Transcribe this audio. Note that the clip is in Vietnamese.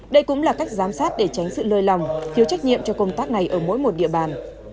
đây cũng là cách giám sát để tránh sự lơi lỏng thiếu trách nhiệm cho công tác này ở mỗi một địa bàn